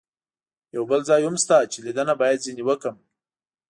یو بل ځای هم شته چې لیدنه باید ځنې وکړم.